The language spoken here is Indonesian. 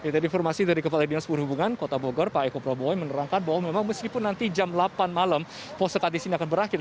tadi informasi dari kepala dinas perhubungan kota bogor pak eko prabowoi menerangkan bahwa memang meskipun nanti jam delapan malam pos sekat di sini akan berakhir